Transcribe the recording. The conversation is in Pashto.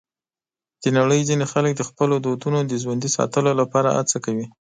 د نړۍ ځینې خلک د خپلو دودونو د ژوندي ساتلو لپاره هڅه کوي.